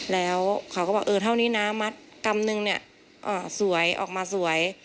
แล้วเขาก็บอกเออเท่านี้นะมัดกำนึงเนี่ยสวยออกมาสวย